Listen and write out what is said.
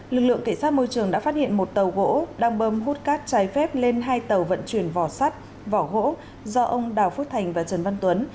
lực lượng cảnh sát môi trường đã phát hiện một tàu gỗ đang bơm hút cát trái phép lên hai tàu vận chuyển vỏ sắt vỏ gỗ do ông đào phước thành và trần văn tuấn